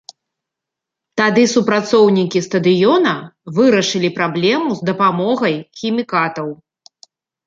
Тады супрацоўнікі стадыёна вырашылі праблему з дапамогай хімікатаў.